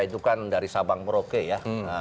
itu kan dari sabang merauke ya